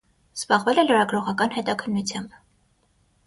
Զբաղվել է լրագրողական հետաքննությամբ։